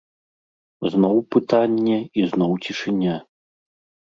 Зноў пытанне, і зноў цішыня.